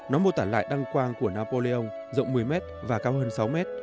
nó mô tả lại đăng quang của napoleon rộng một mươi m và cao hơn sáu m